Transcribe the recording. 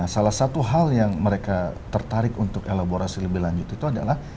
salah satu hal yang mereka tertarik untuk elaborasi lebih lanjut itu adalah